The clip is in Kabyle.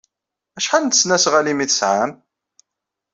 Acḥal n tesnasɣalin ay tesɛam?